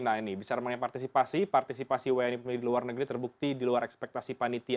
nah ini bicara mengenai partisipasi partisipasi wni pemilih di luar negeri terbukti di luar ekspektasi panitia